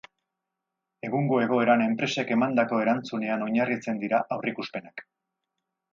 Egungo egoeran enpresek emandako erantzunean oinarritzen dira aurreikuspenak.